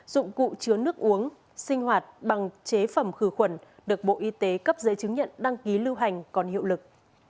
dụng cụ chứa nước uống sinh hoạt bằng chế phẩm khử khuẩn được bộ y tế cấp giấy chứng nhận đăng ký lưu hành còn hiệu lực